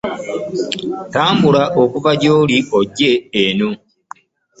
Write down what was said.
Tambula okuva gy'oli ojje eno.